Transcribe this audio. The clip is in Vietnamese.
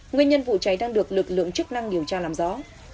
nguyên nhân vụ cháy đang được lực lượng chức năng điều tra làm rõ